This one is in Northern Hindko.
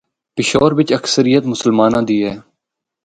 پشور بچ اکثریت مسلماںاں دی ہے۔